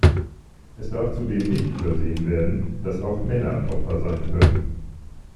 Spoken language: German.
Es darf zudem nicht übersehen werden, dass auch Männer Opfer sein können.